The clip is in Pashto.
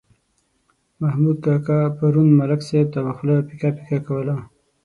محمود کاکا پرون ملک صاحب ته خوله پیکه پیکه کوله.